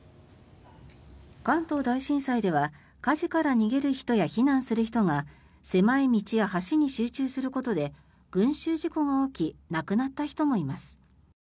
関東大震災では火事から逃げる人や避難する人が狭い道や橋に集中することで群衆事故が起き亡くなった人もいます。